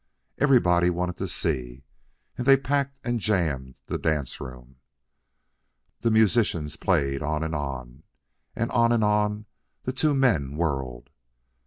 Everybody wanted to see, and they packed and jammed the dance room. The musicians played on and on, and on and on the two men whirled.